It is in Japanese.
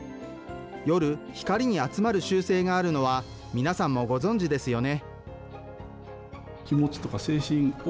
夜、光に集まる習性があるのは、皆さんもご存じですよね？